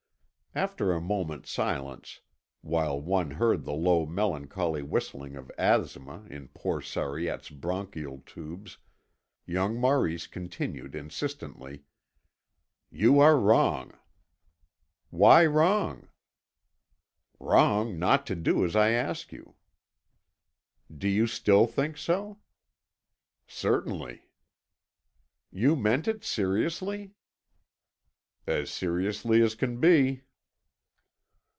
After a moment's silence, while one heard the low melancholy whistling of asthma in poor Sariette's bronchial tubes, young Maurice continued insistently: "You are wrong." "Why wrong?" "Wrong not to do as I ask you." "Do you still think so?" "Certainly." "You meant it seriously?" "As seriously as can be."